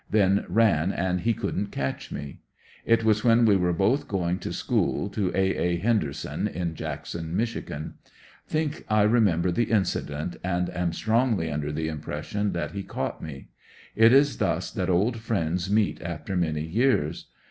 Then ran and he couldn't catch me. It was when we were both going to echool to A. A. Henderson, in Jackson, Mich. Think I remember the incident, and am strongly under the impression that he caught me It is thus that old friends meet after many years.